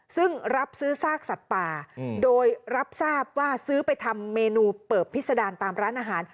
ซึ่งรับซื้อซากสัตว์ป่าโดยรับทราบว่าซื้อไปทำเมนูเปิบพิษดารตามร้านอาหาร